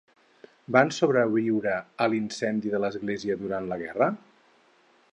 Van sobreviure a l'incendi de l'església durant la guerra?